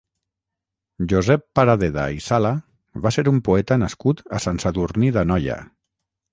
Josep Paradeda i Sala va ser un poeta nascut a Sant Sadurní d'Anoia.